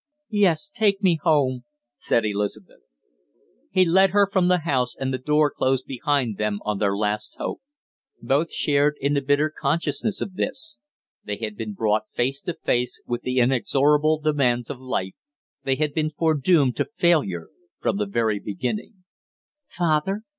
"Yes, take me home," said Elizabeth. He led her from the house and the door closed behind them on their last hope. Both shared in the bitter consciousness of this. They had been brought face to face with the inexorable demands of life, they had been foredoomed to failure from the very beginning. "Father?"